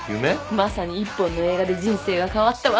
まさに１本の映画で人生が変わったわ。